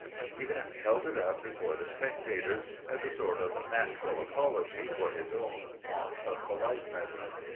He then held it up before the spectators, as a sort of natural apology for his own want of politeness.